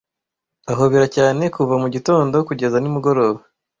Ahobera cyane kuva mugitondo kugeza nimugoroba.